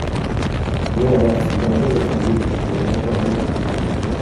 Bon, alors, c’est bien beau d’être en ville, mais on va par où ?